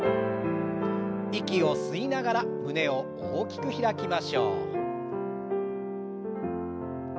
息を吸いながら胸を大きく開きましょう。